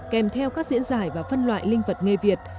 kèm theo các diễn giải và phân loại linh vật nghề việt